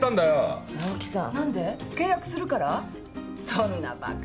そんなバカな。